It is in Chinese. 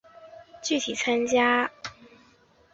具体参见醛基与羧基。